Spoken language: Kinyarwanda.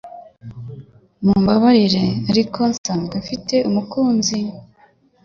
Mumbabarire, ariko nsanzwe mfite umukunzi.